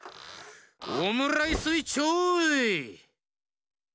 オムライス１ちょう！